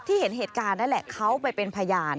เห็นเหตุการณ์นั่นแหละเขาไปเป็นพยาน